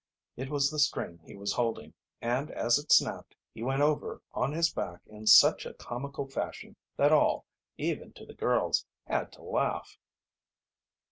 It was the string he was holding, and as it snapped he went over on his back in such a comical fashion that all, even to the girls, had to laugh.